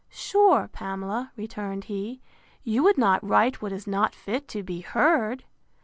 —Sure, Pamela, returned he, you would not write what is not fit to be heard!